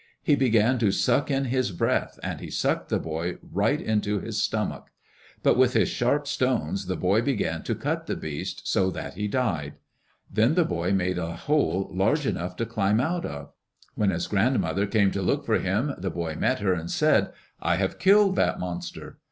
He began to suck in his breath and he sucked the boy right into his stomach. But with his sharp stones the boy began to cut the beast, so that he died. Then the boy made a hole large enough to climb out of. When his grandmother came to look for him, the boy met her and said, "I have killed that monster."